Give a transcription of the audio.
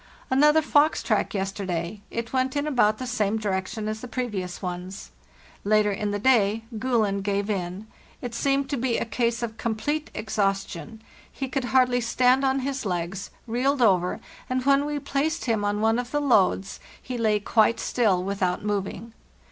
Another fox track yesterday; it went in about the same direction as the previous ones. Later in the day 'Gulen' gave in; it seemed to be a case of complete exhaustion, he could hardly stand on his legs, reeled over, and when we placed him on one of the loads he lay quite still without moving.